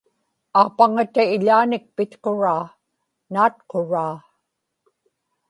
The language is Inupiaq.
aapaŋata ilaanik pitquraa, naatquraa